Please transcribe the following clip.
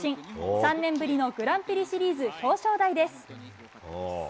３年ぶりのグランプリシリーズ表彰台です。